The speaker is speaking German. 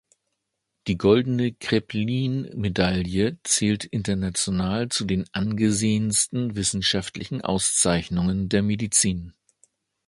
Die Goldene Kraepelin-Medaille zählt international zu den angesehensten wissenschaftlichen Auszeichnungen der Medizin.